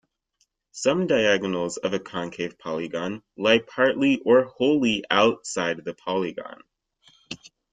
Some diagonals of a concave polygon lie partly or wholly outside the polygon.